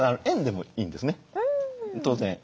円でもいいんですね当然。